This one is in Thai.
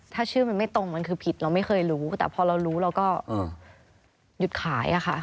ถ้าชื่อมันไม่ตรงมันคือผิดเราไม่เคยรู้แต่พอเรารู้เราก็หยุดขายค่ะ